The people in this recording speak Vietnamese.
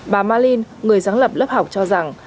bà marlene người giáng lập lớp học cho rằng